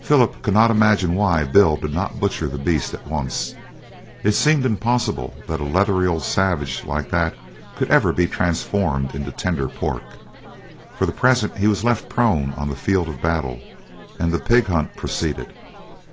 Philip could not imagine why Bill did not butcher the beast at once; it seemed impossible that a leathery old savage like that could ever be transformed into tender pork. For the present he was left prone on the field of battle, and the pig hunt proceeded.